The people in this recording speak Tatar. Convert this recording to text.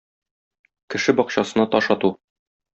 Кеше бакчасына таш ату.